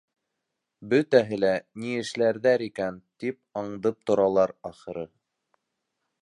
Бөтәһе лә, ни эшләрҙәр икән, тип аңдып торалар, ахыры.